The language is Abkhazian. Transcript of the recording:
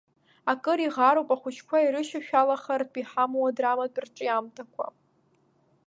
Акыр иӷаруп ахәыҷқәа ирышьашәалахартә иҳамоу адраматә рҿиамҭақәа.